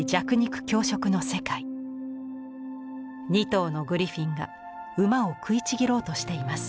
２頭のグリフィンが馬を食いちぎろうとしています。